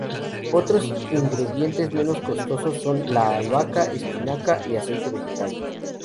Otros ingredientes menos costosos son la albahaca, espinaca y aceite vegetal.